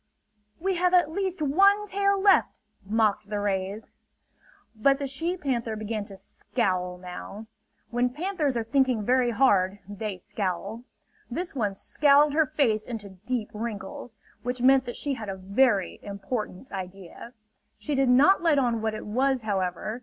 "We have at least one tail left!" mocked the rays. But the she panther began to scowl now. When panthers are thinking very hard they scowl. This one scowled her face into deep wrinkles; which meant that she had a very important idea. She did not let on what it was, however.